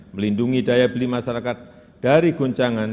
melindungi daya beli masyarakat dari goncangan